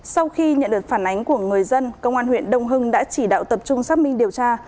sau khi nhận được phản ánh của người dân công an huyện đông hưng đã chỉ đạo tập trung xác minh điều tra